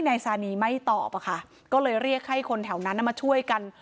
นายซานีไม่ตอบอะค่ะก็เลยเรียกให้คนแถวนั้นมาช่วยกัน